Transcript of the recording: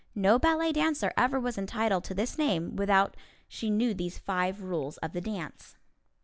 No ballet dancer ever was entitled to this name without she knew these five rules of the dance.